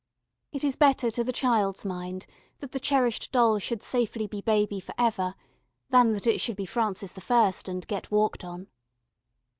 It is better to the child's mind that the cherished doll should safely be baby for ever, than that it should be Francis the First and get walked on.